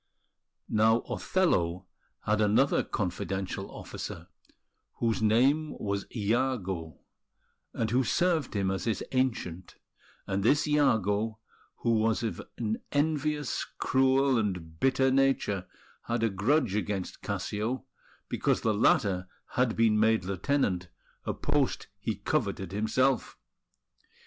Now, Othello had another confidential officer, whose name was Iago, and who served him as his Ancient; and this Iago, who was of an envious, cruel, and bitter nature, had a grudge against Cassio, because the latter had been made lieutenant, a post he coveted himself.